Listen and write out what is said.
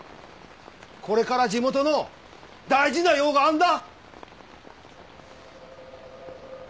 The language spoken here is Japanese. これから地元の大事な用があんだ。